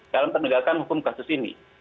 dalam penegakan hukum kasus ini